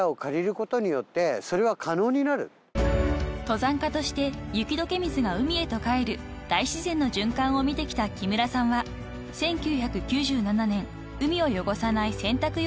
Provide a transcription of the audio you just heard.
［登山家として雪解け水が海へと返る大自然の循環を見てきた木村さんは１９９７年海を汚さない洗濯用洗剤の開発を始めました］